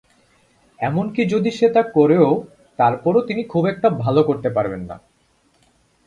এমনকি যদি সে তা করেও, তারপরও তিনি খুব একটা ভালো করতে পারবেন না।